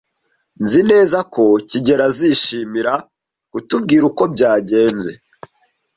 Nzi neza ko kigeli azishimira kutubwira uko byagenze.